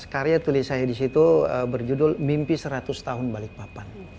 karya tulis saya di situ berjudul mimpi seratus tahun balikpapan